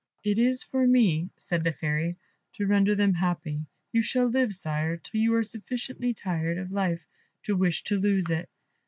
"It is for me," said the Fairy, "to render them happy; you shall live, Sire, till you are sufficiently tired of life to wish to lose it.